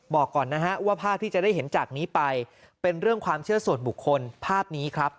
บอกก่อนนะฮะว่าภาพที่จะได้เห็นจากนี้ไปเป็นเรื่องความเชื่อส่วนบุคคลภาพนี้ครับ